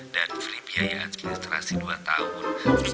dan free biaya administrasi dua tahun